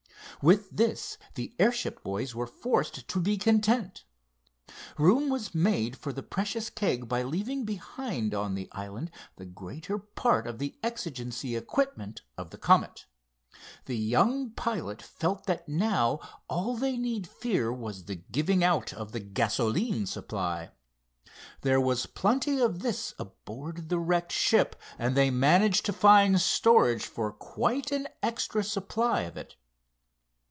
With this the airship boys were forced to be content. Room was made for the precious keg by leaving behind on the island the greater part of the exigency equipment of the Comet. The young pilot felt that now all they need fear was the giving out of the gasoline supply. There was plenty of this aboard the wrecked ship, and they managed to find storage for quite an extra supply of it.